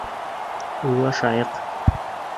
— Уйлашайыҡ.